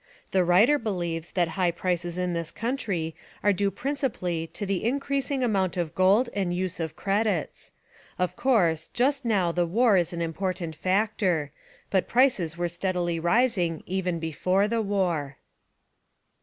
The writer believes that high prices in this country are due principally to the increasing amount of gold and use of credits. Of course, just now the war is an important factor; but prices were steadily rising even before the war.